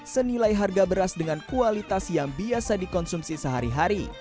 senilai harga beras dengan kualitas yang biasa dikonsumsi sehari hari